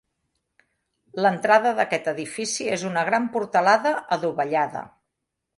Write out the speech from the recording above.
L'entrada d'aquest edifici és una gran portalada adovellada.